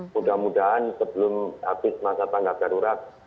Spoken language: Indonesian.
mudah mudahan sebelum habis masa tanggap darurat